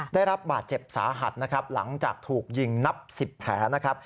ได้รับบาดเจ็บสาหัสนะครับหลังจากถูกยิงนับ๑๐แผลนะครับ